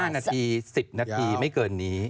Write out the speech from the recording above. ๕นาที๑๐นาทีไม่เกินนี้